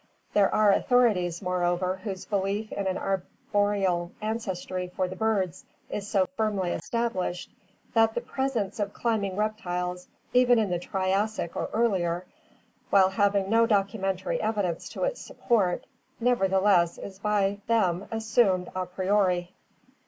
There are authorities, moreover, whose belief in an arboreal ancestry for the birds is so firmly established that the presence of climbing reptiles even in the Triassic or earlier, while having no documentary evidence to its support, nevertheless is by them as sumed a priori.